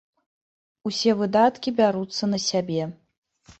Усе выдаткі бяруцца на сябе.